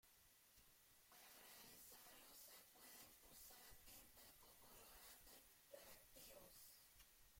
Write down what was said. Para realizarlo se pueden usar tintes o colorantes reactivos.